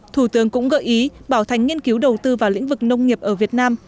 thủ tướng cũng gợi ý bảo thành nghiên cứu đầu tư vào lĩnh vực nông nghiệp ở việt nam